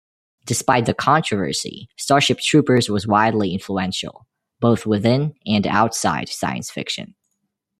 Despite the controversy, "Starship Troopers" was widely influential both within and outside science fiction.